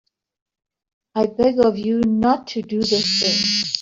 I beg of you not to do this thing.